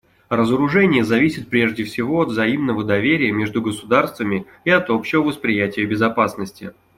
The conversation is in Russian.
Разоружение зависит прежде всего от взаимного доверия между государствами и от общего восприятия безопасности.